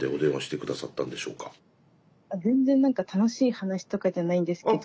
全然楽しい話とかじゃないんですけど。